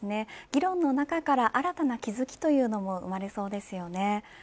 議論の中から新たな気付きというのも生まれそうですね。